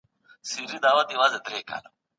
څه سوي نه وي